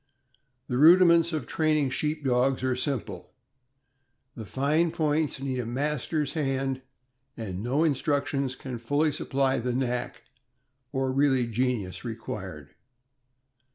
The rudiments of training Sheep Dogs are simple; the fine points need a master's hand, and no instructions can fully supply the knack, or really genius, required.